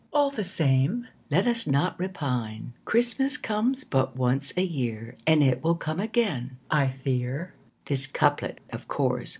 All the same, Let us not repine: Christmas comes but once a year, And it will come again, I fear. This couplet, of course.